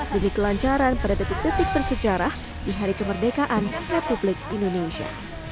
demi kelancaran pada detik detik bersejarah di hari kemerdekaan republik indonesia